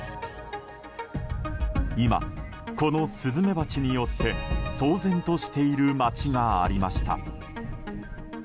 今、このスズメバチによって騒然としている街がありました。